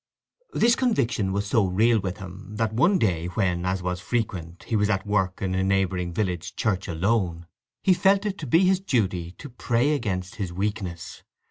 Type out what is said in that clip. This conviction was so real with him that one day when, as was frequent, he was at work in a neighbouring village church alone, he felt it to be his duty to pray against his weakness.